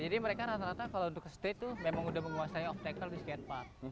jadi mereka rata rata kalau untuk ke street tuh memang udah menguasai obstacle di skatepark